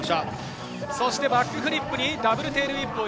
そしてバックフリップにダブルテールウィップ。